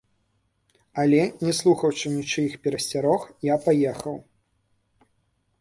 Але, не слухаўшы нічыіх перасцярог, я паехаў.